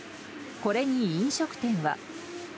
これに飲食店は。